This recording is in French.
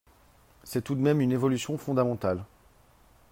C’est tout de même une évolution fondamentale.